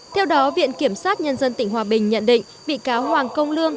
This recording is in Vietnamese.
theo đó viện kiểm sát nhân dân tỉnh hòa bình nhận định bị cáo hoàng công lương